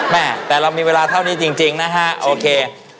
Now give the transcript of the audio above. แม่แต่เรามีเวลาเท่านี้จริงนะฮะโอเค